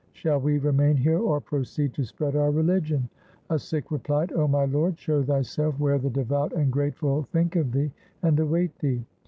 Shall we remain here or proceed to spread our religion ?.' A Sikh replied, ' O my lord, show thyself where the devout and grateful think of thee and await thee.'